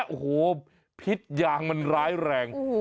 โอ้โหพิษยางมันร้ายแรง